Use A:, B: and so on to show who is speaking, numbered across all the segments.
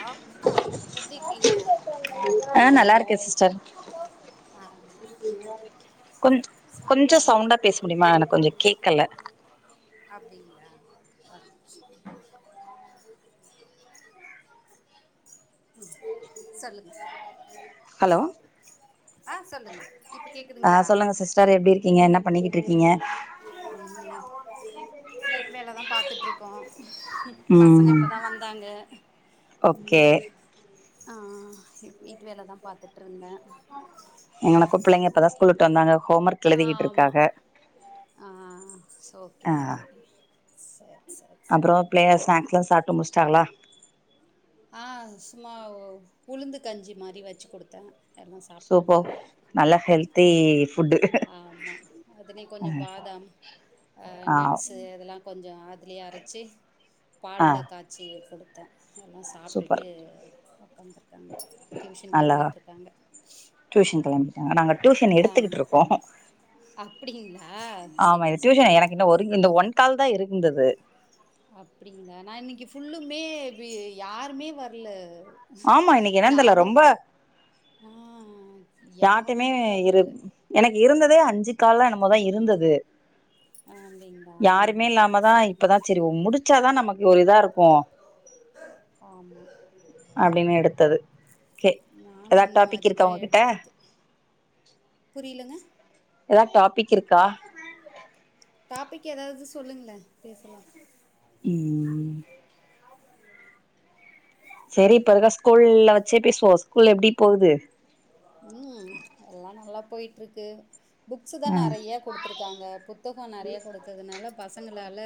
A: ஆ எப்டி இருக்கீங்க
B: ஆ நல்லா இருக்கே சிஸ்டர் [unintelligible]
A: ஆ
B: கொஞ்
A: சாப்ட்ட
B: கொஞ்சோ சவுண்டா பேச முடிமா எனக் கொஞ்சோ கேக்கல
A: அப்டிங்ளா அ ம் சொல்லுங்க
B: ஹலோ
A: ஆ சொல்லுங்க இப்போ கேக்குதுங்ளா
B: சார் எப்டி இருக்கீங்க என்ன பண்ணிக்கிட்டு இருக்கீங்க
A: ம் வீட்டு வேலதா பாத்துட்ருக்கோ ம் பசங்க இப்ப தா வந்தாங்க
B: ஓகே
A: ஆ ஆ இப் வீட்டு வேல தா பாத்துட்ருந்தே
B: எனக்குப் பிள்ளைங்க இப்பதா ஸ்கூல் உட்டு வந்தாங்க ஹோம் ஒர்க்
A: ஆ
B: எழுதிக்கிட்டு
A: ஆமா
B: இருக்காக
A: ஆ ஸ்ஓகே
B: ஆ
A: ஓகே சேர் சேர்
B: அப்றோ பிள்ளைய ஸ்நாக்ஸ்லா சாப்ட்டு முஷ்ட்டாங்ளா
A: ஆ சும்மா உளுந்து கஞ்சி மாரி வச்சு குடுத்த எல்லா சாப்ட்டாங்க
B: ல்ல ஹெல்த்தி ஃபு
A: ஆமா அதுலியு கொஞ்சோ பாதாம் ஆ நட்ஸு அதெல்லா கொஞ்சோ அதுலயே அரச்சி
B: ஆ
A: பால்ல காச்சி குடுத்த எல்லா சா
B: சூப்பர்
A: சாப்ட்டுட்டு ஒக்காந்துருக்காங்க ட்யூஷன் கெளம்பிட்ருக்காங்க
B: ட்யூசுன் கெளம்பிட்டாங் நாங்க ட்யூசுன்
A: ஆமா
B: எடுத்துகிட்ருக்கோ
A: அப்டிங்களா
B: ஆமா இது
A: சூப்பர்
B: ட்யூஷன்
A: சூப்பர்
B: எனக்கு இன்னு ஒரு இந்த ஒன்கால் தா இருந்துது
A: அப்டிங்ளா நா இன்னக்கி ஃபுல்லுமே பி யாருமே வர்ல
B: ஆமா இன்னைக்கு என்னன்னு தெர்ல
A: நானு
B: ரொம்ப
A: ஆ
B: யார்ட்டைமே
A: யாருமே
B: இரு
A: வர்ல
B: எனக்கு இருந்ததே அஞ்சு கால்லா என்னமோதா இருந்தது
A: அப்டிங்களா
B: யாருமே இல்லாம தா இப்பதா செரி முடிச்சாதா நமக்கு ஒரு இதா இருக்கு
A: ஆமா
B: அப்டினு எடுத்தது கே
A: நானு
B: எதாவ்
A: அந்த
B: டாப்பிக் இருக்கா
A: மாரிதா
B: உங்கக்கிட்ட
A: புரிய்லங்க
B: எதா டாப்பிக் இருக்கா
A: டாப்பிக் ஏதாவ்து சொல்லுங்ள பேசலா
B: ம் ம் செரி இப்பருக்க ஸ்கூல்ல வெச்சே பேஸ்வோ ஸ்கூல் எப்டி போவுது
A: ம் எல்லா நல்லா போயிட்ருக்கு புக்சுதா
B: ம்
A: நறைய குடுத் துருக்காங்க புத்தகொ நறைய குடுத்ததுனால பசங்களால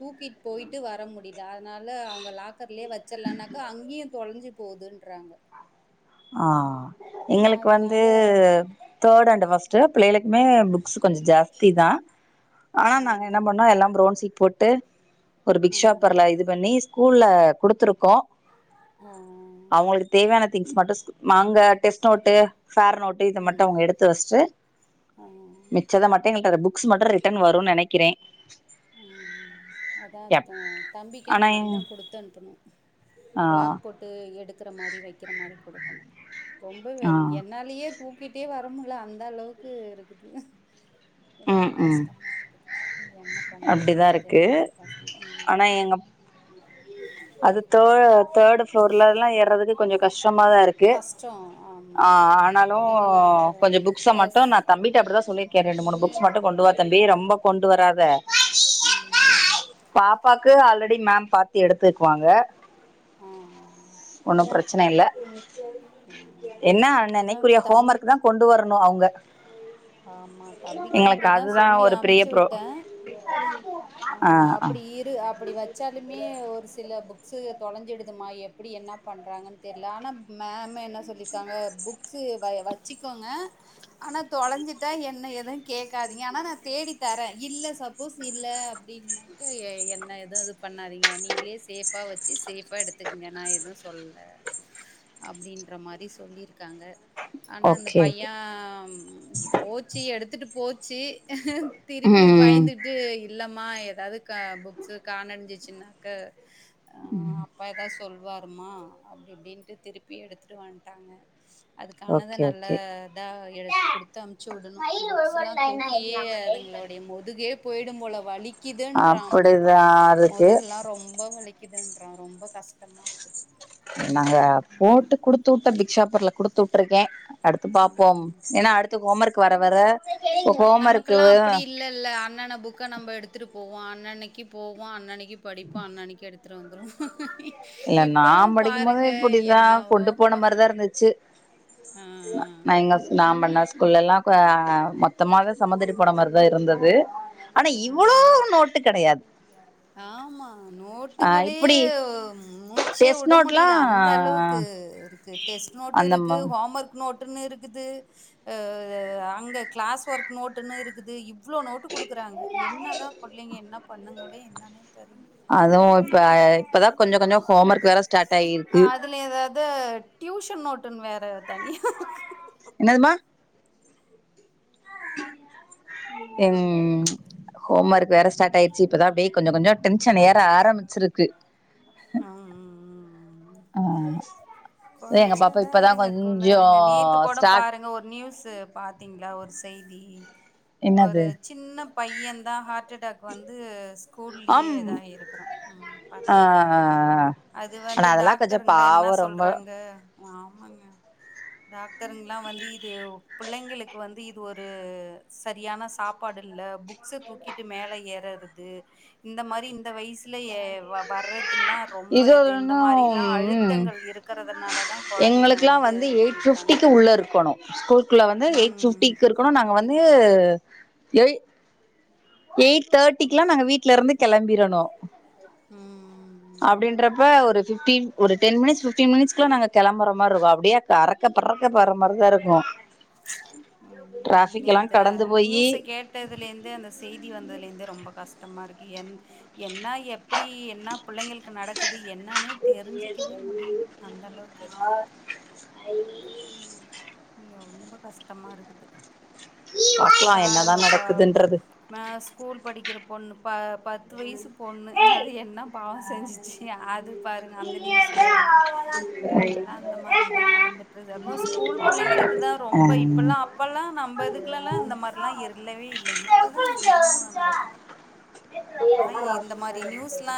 A: தூக்கிட் போய்ட்டு வர முடில அதனால அவ்ங்க லாக் கர்லே வெச்சர்லான்னாக்கா அங்கியு தொல்ஞ்சு போதுன்றாங்க
B: ஆ எங்களுக்கு வந்து
A: அதனால
B: தேட் அண்டு ஃபஸ்ட்டு பிள்ளையளுக்குமே புக்ஸு கொஞ்சொ ஜாஸ்தி தா
A: ஆ
B: ஆனா நாங்க என்ன பண்ணோ எல்லா ப்ரோன் ஷீட் போட்டு ஒரு
A: ஆ
B: பிக் ஷாப்பர்ல இது பண்ணி ஸ்கூல்ல குடுத்துருக்கோ
A: ம் ம் ம்
B: அவங்களுக்கு தேவையான திங்க்ஸ் மட்டு மாங்க டெஸ்ட் நோட்டு ஃபேர் நோட் டு இத மட்டு
A: ம்
B: அவ்ங்க எடுத்து வஷ்ட்டு
A: ஆ
B: மிச்சத மட்டு எங்களுக் அத புக் க்ஸ் மட்டு ரிட்டன் வருன் நெனக்கிறே
A: ம் அதா த தம்பிக்கு அந்த
B: எங்
A: மாரிதா குடுத்து அனுப்பணு
B: ஆ
A: லாக் போட் டு எடுக்குற மாரி வெக்கிற மாரி குடுக்கணு ரொம்ப வெ
B: ஆ
A: என்னாலயே தூ க்கிட்டே வர முல்ல அந்த அளவுக்கு இருக்குது
B: ம்
A: ரொம்ப
B: ம்
A: கஷ்டமாருக்குது இனி என்ன
B: அப்டிதா
A: பண்றதுன்னே
B: இருக்கு
A: தெரிய்ல பசங் ம்
B: ஆனா எங்க அது தே தேடு ஃப்ளோர்லல்லா ஏர்றதுக்கு கொஞ்சொ கஷ்டமாதா இரு க்கு
A: கஷ்டோ ஆமா
B: அ ஆனாலு
A: பிள்ளைங்களால
B: கொஞ்சொ புக்ஸ
A: அ
B: மட்டு நா தம்பிட்ட அப்டிதா சொல்லிர்க்கே ரெண்டு மூணு
A: நே
B: புக்ஸ் மட்டு கொண்டு வா தம்பி ரொம்ப கொண்டு வராத
A: ம்
B: பாப்பாக்கு ஆல்ரெடி மேம் பாத்து எடுத்துக்குவாங்க
A: ஆ
B: ஒன்னு ப்ரச்சன இல்ல
A: ஆ
B: என்ன
A: அதா
B: அன்னன்னைக்குரிய
A: தம்
B: ஹோம் ஒர்க் தா கொண்டு வர்ணு அவங்க
A: ஆமா தம்பிக்கு
B: எங்களுக்கு
A: அப்டிதா
B: அதுதா
A: சொல்லி
B: ஒரு பெரிய
A: அமுச்சு
B: ப்ரோ
A: விட்டே
B: ஆ ஆ
A: அப்படி அப்படி வச்சாலுமே ஒரு சில புக்ஸ்சு தொலைஞ்சிடுதுமா எப்டி என்னா பண்றாங்கன் தெர்ல ஆனா மேம் என்ன சொல்லிருக்காங்க புக்ஸு வ வச்சுக்கங்க ஆனா தொலைஞ்சிட்டா என்ன எது கேக்காதீங்க ஆனா நா தேடி தரே இல்ல சப்போஸ் இல்ல அப்டின்னா க்க என்ன எது இது பண்ணாதீங்க நீங்ளே சேஃபா வச்சு சேஃபா எடுத்துக்கங்க நா எதுவு சொல்ல அப்டின்ற மாரி சொல்லிருக்காங்க ஆனா இந்த
B: ஓகே
A: பைய
B: ஓகே
A: போச்சு எடுத்துட்டு போச்சு திருப்பி
B: ம்
A: பயந்துட்டு இல்லமா ஏதாது க ப ச காணடிஞ்சிச்சுனாக்க
B: ம்
A: அப்பா எதா சொல்வாருமா அப்டி இப்டின்ட்டு திருப்பி எடுத்துட்டு வன்ட்டாங்க அதுக்கானத
B: ஓகே
A: நல்ல
B: ஓகே
A: தா எடு குடுத்து அமுச்சு வுடனு புக்ஸ்ல்லா தூக்கியே அதுங்களுடைய முதுகே போயிடும் போல வலி க்கிதுன்றா
B: அப்படிதா இருக்கு
A: முதுகுல்லா ரொம்ப வலிக்குதுன்றா ரொம்ப கஷ்டமா இருக்குது
B: நாங்க போட்டு குடுத்துட்ட பிக்ஷாப்பர்ல குடுத்துட்ருக்கே அடுத்து பாப்போம்
A: ம்.
B: ஏன்னா அடுத்து ஹோம் ஒர்க் வர வர ஹோம் ஒர்க்கு
A: நமக்கெல்லாம் அப்படி இல்லல்ல அன்னன்ன புக்க நம்ப எடுத்துட்டு போவோ அன்னனைக்கு போவோ அன்னனைக்கு படிப்போ அன்னனைக்கு எடுத் ரு வந்ருவோ
B: இல்ல நா படிக்கு போது இப்பிடிதா கொண்டு போன
A: என்னவோப்பா!
B: மாரிதா இருந்துச்சு
A: ஆ,
B: நா எங்க நா பண்ணா குள்ளல்லா அ மொத்தமாதா சொமந்திட்டு போன மாரிதா இருந்தது ஆனா
A: ஆ, ஆ.
B: இவளோ நோட்டு கெடையாது
A: ஆமா
B: ஆ
A: நோட்டுங்களே
B: இப்டி
A: மூ ச்சே
B: டெஸ்ட்
A: உட
B: நோட்லா
A: முடில அந்த அளவுக்கு இருக்கு டெஸ்ட் நோட்டு்
B: அந்த
A: இருக்கு ஹோம் ஒர்க் நோட்டுன்னு இருக்குது அ அங்க க்ளாஸ் ஒர்க் நோட்டுன்னு இருக்குது இவ் ளோ நோட்டு குடுக்குறாங்க என்னதா பிள்ளைங்க என்ன பண்ணுங்களே என்னானே தெரில
B: அதுவு இப்ப இப்பதா கொஞ்சோ கொஞ்சோ ஹோம் ஒர்க் வேற ஸ்டார்ட் ஆயிருக்கு
A: த டியூஷன் நோட்டுன் வேற தனியா
B: என்னதுமா ம் ஹோம் ஒர்க் வேற ஸ்டார்ட் ஆயிச்சு இப்பதா அப்டியே கொஞ்ச கொஞ்ச டென்ஷன் ஏற ஆரம்பிச்சிருக்கு ஆ எங்க பாப்பா
A: கொஞ்சதா
B: இப்பதா
A: இருங்க குள்ள
B: கொஞ்சோ
A: இருங்க நேத்து கூட
B: ஸ்டார்ட்
A: பாருங்க ஒரு நியூஸு பாத்தீங்ளா ஒரு செய்தி ஒரு
B: என்னது
A: சின்ன பையன்தா ஹார்ட் அட்டாக் வந்து ஸ்கூல்லயே
B: ஆம்
A: இதா இருக்கிறோ ம்
B: ஆ
A: பாத்தீங்ளா அது
B: ஆனா
A: வந்து
B: அதெல்லா கொஞ்ச
A: டாக்டருங்ளா என்னா
B: பாவ ரொம்ப
A: சொல்றாங்க ஆமாங்க டாக்டருங்லா வந்து இது பிள்ளைங்களுக்கு வந்து இது ஒரு சரியான சாப்பாடு இல்ல புக்ஸ தூக்கிட்டு மேல ஏர்றது இந்த மாரி இந்த வயசுல வர்ற இதல்லா ரொம்ப இது இந்த மாரில்லா
B: ம்
A: அழுத்தங்கள் இருக்கிறதுனாலதா கொழந்தைங்க வந்து இப்டி இருக்காங்க
B: பிஃப்டிக்கு உள்ள இருக்கனு ஸ்கூல்குள்ள வந்து எயிட் பிஃப்டி
A: ம்
B: இருக் கனு நாங்க வந்து எயி எயிட் தேர்ட்டிக்குலா நாங்க வீட்ல இருந்து கெளம்பிடணு
A: ம்
B: அப்டின்றப்ப ஒரு ஃபிஃப்டின் ஒரு டென் மினிட்ஸ் ஃபிஃப்டி மினிட்ஸ்குலா நாங்க கெளம்பற மார்ருக்கு அப்டியே ந்த அறக்க பறக்க போற மாரிதா இருக்கு
A: ம்
B: டிராஃபிக் எல்லா
A: நேத்து
B: கடந்து
A: அந்த
B: போயி
A: நியூஸ கேட் கேட்டதுலுந்து அந்த செய்தி வந்ததுலேருந்து ரொம்ப கஷ்டமா இருக்கு என் என்னா எப்பிடி என்ன புள்ளைங்களுக்கு நடக்குது என்னான்னே தெரிஞ்சிக்கவே முடியல அந்தளவுக்கு இருக்குது
B: [inaudible]
A: நீ ரொம்ப கஷ்டமாருக்குது
B: பாக்கலா என்னதா நடக்குதுன்றது
A: ம ஸ்கூல் படிக்கிற பொண்ணு ப பத்து வயசு பொண்ணு அது என் னா பாவோ செஞ்சுச்சு அது பாருங்க அந்த நியூஸ் பாருங்க எல்லா அந்த மாரி தா நடந்துட் ருக்குது அப்பல்லா ஸ்கூல் பாள்ளைங்களுக்கு தா
B: ஆ
A: ரொம்ப இப்பல்லா அப்பல்லா நம்ம இதுக்குலல்லா இந்த மாரிலா இருலவே இல்ல இப்பதா இப்பிடிலா நடக்குது அப்பல்லா இந்த மாரி நியூஸ்ல்லா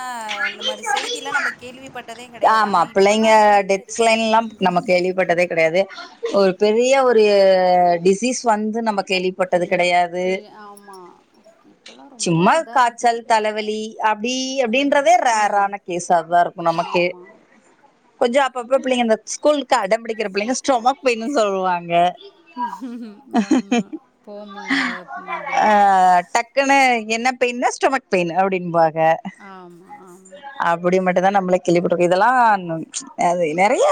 A: இந்த மாரி செய்திலா நம்ம கேள்விப்பட்டதே கெடையாது
B: ஆமா
A: ஆனா
B: பிள்ளைங்க
A: இப்பெல்லா இப்டிதா
B: டெத்
A: இருக்குது
B: லைன்லா
A: ம்
B: நம்ம கேள்விப்பட்டதே கெடையாது ஒரு பெரிய ஒரு டிசீஸ் வந்து நம்ம கேள்வி பட்டது கெடையாது
A: கே ஆமா இப்பல்லா ரொம்ப
B: சும்மா
A: இதா
B: காய்ச்சல்
A: இருக்குது
B: தலைவலி அப்டி
A: ம்
B: அப்டின்றதே
A: ம்
B: ரேரான கேஸாதாருக்கு நமக்கே
A: ஆமா
B: கொஞ்சோ அப்பப்ப புள்ளைங்க
A: இப்
B: இந்த ஸ்கலுக்கு அடம்பிடிக்கிற புள்ளைங்க ஸ்டொமக் பெயின்னு சொல்லுவாங்க
A: ஆமா போமுள்ள மாம்புடி
B: அ டக்குனு என்ன பெயின்னு ஸ்டொமக் பெயின்னு அப்டின்பாங்க
A: ஆமா ஆமா
B: கேள்ளிபட்டுருக்கே இதெல்லா அது நறைய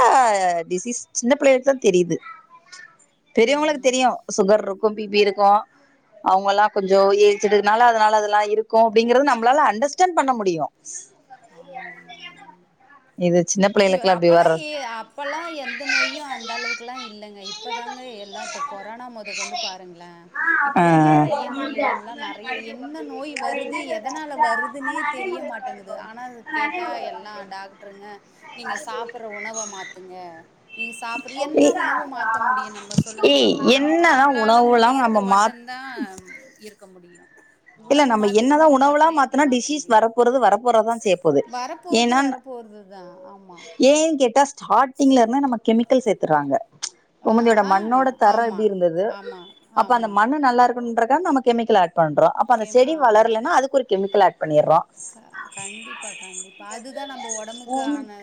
B: டிசீஸ் சின்ன பிள்ளைகளுக்கு தா தெரியுது பெரியவங்களுக்கு
A: ம்
B: தெரியு சுகர்ருக்கு பி பிருக்கு அவுங்கல்லா கொஞ்சோ ஏஜ்டுதுன்னால அதனால அதெல்லா இருக்கு அப்டிங்கறது நம்பளால அண்டர்ஸ்டாண்ட் பண்ண முடியு இது சின்ன
A: எ ஆ
B: பிள்ளைகளுக்குலா இப்டி
A: அப்பல்லா
B: வர்றது
A: எ அப் அப்பல்லா எந்த நோயு அந்தளவுக்குல்லா இல்லங்க இப் இப்பதாங்க எல்லா இப்ப கொரோனா மொத கொண்டு பாருங்களே
B: ஆ
A: இப்பல்லா நறைய நோய்கள்லா நறை றையா என்ன நோய் வருது எதனால வருதுன்னே தெரிய மாட்டங்குது ஆனா கேட்டா எல்லா டாக்டருங்க நீங்க சாப்பபுட்ற உணவ மாத்துங்க நீ சாப்புற என்ன உணவு மாத்த முடியு நம்ம சொல்லுங்க
B: ஏய்
A: பாக்கலா நம்
B: என்னதா
A: நம்பளால
B: உணவுலா நம்ம
A: முடியறது
B: மாத்
A: மட்டுந் தா இருக்க முடியு
B: இல்ல நம்ப என்னதா உணவுலா மாத்னா டிசீஸ்
A: முடியும்
B: வரபோறது வரப்போறதா சே
A: வரப்போறது வரப்போறதுதா ஆமா
B: ஏ ஏன்னு கேட்டா ஸ்டார்ட்டிங்லருந்து நம்ம கெமிக்கல் சேத்துறாங்க
A: ஆ
B: ஒமந்தியோட
A: ஆ
B: மண்ணோட தரோ
A: ஆமா
B: எப்டி இருந்துது
A: ஆமா
B: அப்ப அந்த
A: ஆமா
B: மண்ணு நல்லாருக்கன்றக்கா நமக்கு கெமிக்கல் ஆட் பண்றோ அப்ப அந்த
A: கேம்
B: செடி
A: ஆமா
B: வளர்லனா அதுக்கு ஒரு கெமிக்கல் ஆட் பண்ணிர்றோ
A: அ கண்டிப்பா கண்டிப்பாக அதுதா நம்ம ஒடம்புக்கான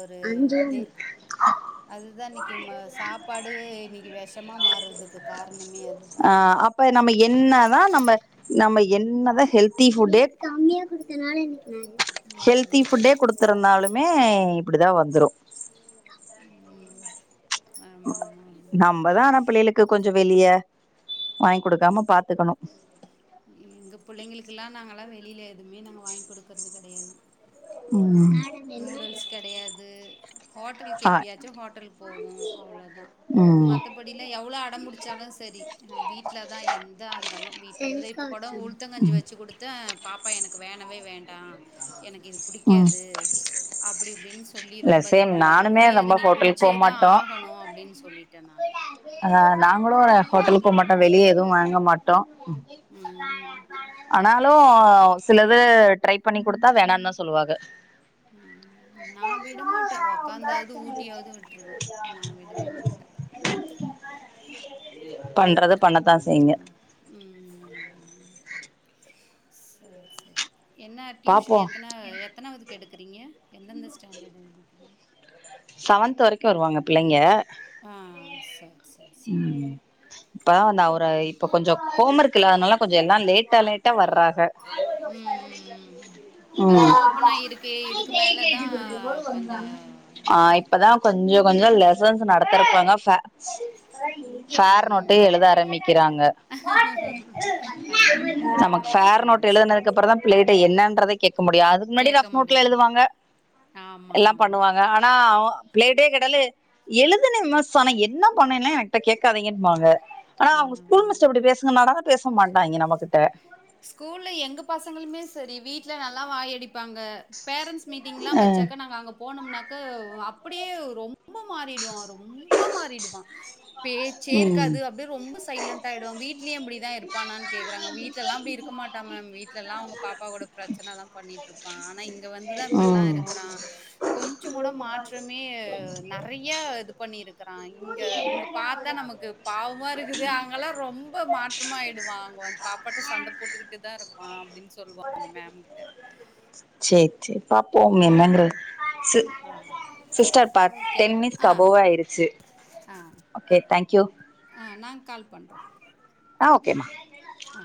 A: ஒரு இதே
B: [inaudible]
A: அதுதா இன்னிக்கி ம சாப்பாடு இன்னிக்கி விஷமா மாறுறதுக்கு கார்ணமே அதுதா
B: இப்ப நம்ம என்னதா நம்ம நம்ம என்னதா ஹெல்தி ஃபுட்டே ஹெல்தி
A: ம்
B: ஃபுட்டே குடுத் த்துருந்தாலுமே இப்படிதா வந்துரு
A: ம் ஆமா ஆமா ஆமா ஆமா
B: ஆன பிள்ளைளுக் க்கு கொஞ்சோ வெளிய வாங்கி குடுக்காம பாத்துக்கணு
A: எங்க புள்ளைங்களுக்குல்லா நாங்கல்லா வெளில எதுமே நாங்க வாங்கி் குடுக்கறது கெடையாது
B: ம்
A: நூடுல்ஸ் கெடையாது ஹோட்டல்க்கு
B: ஆ
A: எப்பயாச்சு ஹோட்டலக் போவோ அவ்ளதா
B: ம்
A: மத்தபடிலா எவ்ளோ அடம் புடிச்சாலு செரி வீட்ல தா எந்தா இருந்தாலு வீட்ல தே இப்போ கூட உளுத்தங்கஞ்சி
B: ம்
A: வெச்சு குடுத் த பாப்பா எனக்கு வேணவே வேண்டா எனக்கு இது
B: ம்
A: புடிக்காது அப்டி இப்டின் சொல்லி
B: இல்ல
A: ரொம்ப இது
B: சேம்
A: பண்ணா
B: நானுமே
A: முடியாது
B: ரொம்ப
A: நீ
B: ஹோட்டலுக்கு
A: குடிச்சேதா
B: போமாட்டோ
A: ஆகணு அப்டின் சொல்லிட்ட நானு
B: ஆஹா நாங்களு ஹோட்டலுக்கு போ மாட்டோ வெளிய எதூ வாங்க மாட்டோ
A: ம்
B: ஆனாலு சிலது ட்ரை பண்ணிக் குடுத்தா வேணான்தா சொல்லுவாஹா
A: ம் நா விடமாட்ட ஒக்காந்தாவது ஊட்டியாவது விட்ருவ நா விடவே மாட்ட
B: பண்றத பண்ணத்தா செய்ங்க
A: ம் ம் ம் ம் செர் செரி என்ன
B: பாப்போ
A: டியூஷன் எத்தன எத்தனாவதுக்கு எடுக்கறிங்க எந்தெந்த ஸ்டாண்டர்டு எடுக்கிறீங்க
B: சவன்த்து வரைக்கு வருவாங்க பிள்ளைங்க
A: ஆ செர்
B: ம் இப்ப அந்த அவர
A: ம்
B: இப்ப கொஞ்சோ ஹோம் ஒர்க் இல்லாதனால கொஞ்சோ எல்லா லேட்டா லேட்டா வர்றாஹா
A: ம் ம் ம் இப்பதான ஓப்பனாயிருக்கு இதுக்கு மேல தா கொஞ்சோ
B: ஆ இப்பதா கொஞ்ச கொஞ்சோ லெசன்ஸ் நடத்தரப்பாங்க பேக்ஸ ஃபேர்
A: ம்
B: நோட்டே எழுத
A: ஆமா
B: ஆரம்பிக்கறாங்க
A: அப்டிங்களா
B: நமக்கு ஃபேர் நோட்
A: சரி
B: டு
A: சரி
B: எழுதனதுக்கப்பறோ தா பிள்ளைட்ட என்னான்றத கேக்க முடியு அது முன்னாடி
A: கேக்க
B: ரஃப் நோட்ல
A: முடியும்
B: எழுதுவாங்க
A: ஆமா,
B: எல்லா
A: ஆமா.
B: பண்ணுவாங்க அ னா பிள்ளைகிட்டே கேட்டாலு எழுதுன மிஸ் அனா என்ன பண்ணேன்லா எனக் ட்ட கேக்காதீங்கம்பாங்க அனா அவுங்க ஸ்கூல்
A: ஆமா.
B: மிஸ்ட்ட இப்டி பேசுங்கன்னாடா பேச மாட்டாயிங்க நம்மகிட்ட
A: ஸ்கூல்ல எங்க பசங்களுமே செரி வீட்ல நல்லா வாயடிப்பாங்க பேரண்ட்ஸ் மீட்டிங்லா
B: அ
A: வச்சாக்க நாங்க அங்க போனம்னாக்க அப்படியே ரொம் ப மாறிடுவா ரொம்ப மாறிடுவா பேச்சே
B: ம்
A: இர்க்காது அப் டே ரொம்ப சைலண்டாய்டுவா வீட்லயூ அப்புடிதா இருப்பானான் கேக்குறாங்க வீட்லல்லா அப்டி இருக்க மாட்டா மேம் வீட் லல்லா அவுங்க பாப்பாகூட பிரச்சன தா பண்ணீட்ருப்பா அனா இங்க வந்துதா இப்பல்லா
B: ம்
A: இருக்கறா
B: [inaudible]
A: கொஞ்சகூட மாற்றமே நறையா இது பண்ணிருக்கறா இங்க இங்க கொ பாத்தா நமக்கு பாவ் வமா இருக்குது அங்கல்லா ரொம்ப மாற்றமாய்டுவா அங்க வந் பாப்பாட்ட சண்ட போட்டுக்கிட்டு தா இருப்பா அப்டின் சொல்வா அவங்க மேம்ட்ட
B: சேர் சேர் பாப்போம்
A: ஆ.
B: என்னங்கறது சே
A: ஆ.
B: Sister back
A: okay.
B: டென் மினிட்ஸ்க்கு
A: ஆ.
B: அபோவா ஆய்ருச்சு
A: ஆ.
B: ஓகே தேங்க் யூ
A: ஆ நாங் கால் பண்றோ
B: ஆ ஓகே மா
A: ஆ